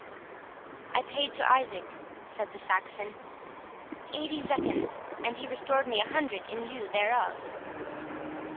"I paid to Isaac," said the Saxon, "eighty zecchins, and he restored me a hundred in lieu thereof."